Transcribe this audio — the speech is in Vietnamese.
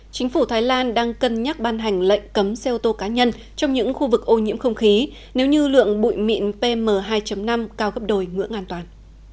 chính phủ thái lan đang cân nhắc ban hành lệnh cấm xe ô tô cá nhân trong những khu vực ô nhiễm không khí nếu như lượng bụi mịn pm hai năm cao gấp đổi ngưỡng an toàn